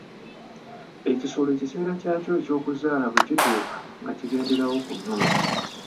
Ekisolo ekiseera kyakyo eky'okuzaala bwe kituuka nga kigenderawo ku nnume.